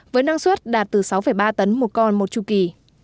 với năng suất đạt từ sáu ba tấn một con một chu kỳ